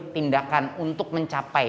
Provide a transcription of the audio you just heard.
tindakan untuk mencapai